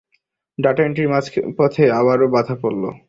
Data এন্ট্রির মাঝপথে আবারো বাধা পড়ল।